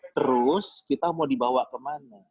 terus kita mau dibawa ke mana